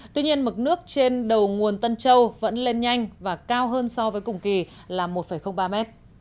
tuy nhiên mực nước trên đầu nguồn tân châu vẫn lên nhanh và cao hơn so với cùng kỳ là một ba m